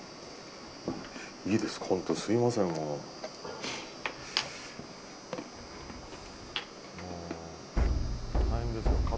いいですか。